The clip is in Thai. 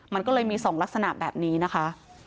มันก็เลยมี๒ลักษณะแบบนี้นะคะ